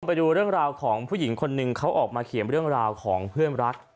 ไปดูเรื่องราวของผู้หญิงคนหนึ่งเขาออกมาเขียนเรื่องราวของเพื่อนรัก